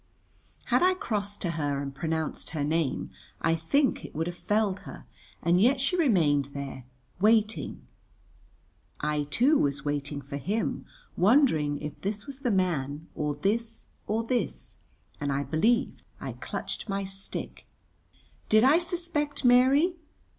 Had I crossed to her and pronounced her name I think it would have felled her, and yet she remained there, waiting. I, too, was waiting for him, wondering if this was the man, or this, or this, and I believe I clutched my stick. Did I suspect Mary?